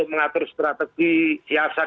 mengatur strategi siasat